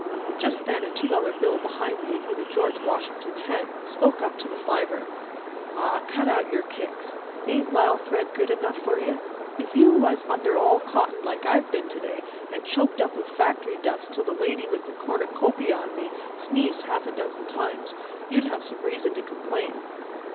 Just then a two dollar bill behind me with a George Washington head, spoke up to the fiver: "Aw, cut out yer kicks. Ain't lisle thread good enough for yer? If you was under all cotton like I've been to day, and choked up with factory dust till the lady with the cornucopia on me sneezed half a dozen times, you'd have some reason to complain."